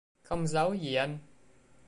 Không giấu gì anh